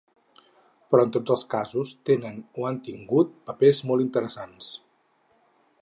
Però en tots els casos tenen o han tingut papers molt interessants.